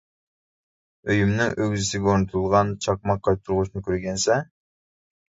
ئۆيۈمنىڭ ئۆگزىسىگە ئورنىتىلغان چاقماق قايتۇرغۇچنى كۆرگەنسەن؟ !